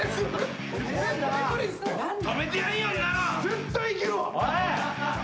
絶対いけるわ。